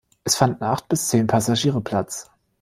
Es fanden acht bis zehn Passagiere Platz.